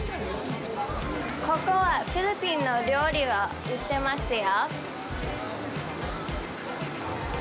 ここはフィリピンの料理を売ってますよ。